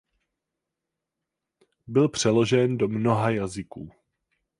Byl přeložen do mnoha jazyků.